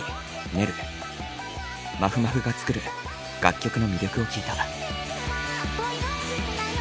まふまふが作る楽曲の魅力を聞いた。